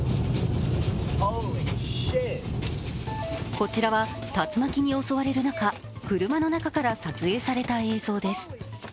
こちらは竜巻に襲われる中車の中から撮影された映像です。